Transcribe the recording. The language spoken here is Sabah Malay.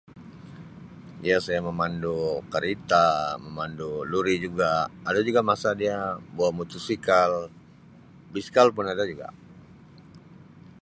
Ya saya memandu kerita, memandu lori juga ada juga masa dia bawa motosikal, biskal pun ada juga.